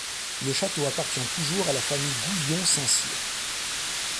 Le château appartient toujours à la famille Gouvion-Saint-Cyr.